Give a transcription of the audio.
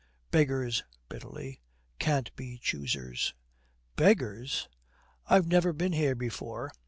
Beggars,' bitterly, 'can't be choosers.' 'Beggars?' 'I've never been here before.